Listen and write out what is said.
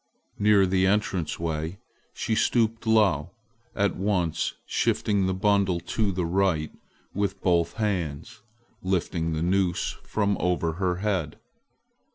Near the entrance way she stooped low, at once shifting the bundle to the right and with both hands lifting the noose from over her head.